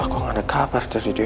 aku gak ada kabar terhadap dewi ya